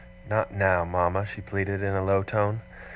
'Not now, mama,' she pleaded in a low tone.